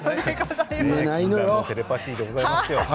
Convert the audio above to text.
テレパシーでございますよ。